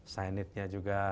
sign it nya juga